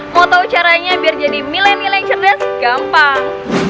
mau tau caranya biar jadi milenial yang cerdas gampang